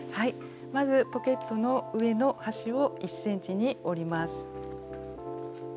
まずポケットの上の端を１ｃｍに折ります。